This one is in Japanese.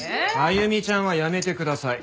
「歩ちゃん」はやめてください。